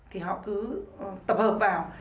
thì họ cứ tập hợp vào